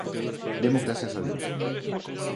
Demos gracias a Dios.